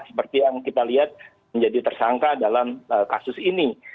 seperti yang kita lihat menjadi tersangka dalam kasus ini